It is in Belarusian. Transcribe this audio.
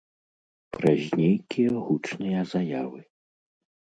Праз нейкія гучныя заявы.